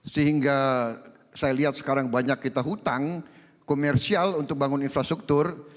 sehingga saya lihat sekarang banyak kita hutang komersial untuk bangun infrastruktur